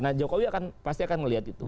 nah jokowi pasti akan melihat itu